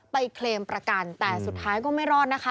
เคลมประกันแต่สุดท้ายก็ไม่รอดนะคะ